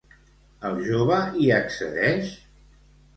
El jove hi accedeix?